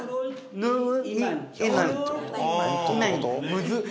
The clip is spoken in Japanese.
むずっ。